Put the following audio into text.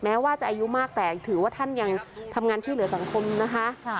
แม้ว่าจะอายุมากแต่ถือว่าท่านยังทำงานช่วยเหลือสังคมนะคะ